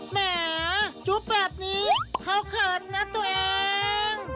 แหมจุ๊บแบบนี้เขาเขินนะตัวเอง